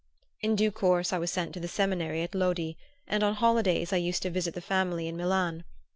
In due course I was sent to the seminary at Lodi; and on holidays I used to visit the family in Milan.